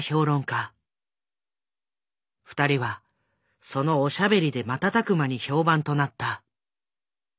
二人はそのおしゃべりで瞬く間に評判となった。